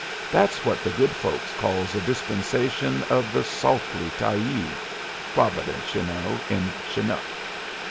That's what the good folks calls a dispensation of the Sauklee Tyee! Providence, ye know, in Chinook.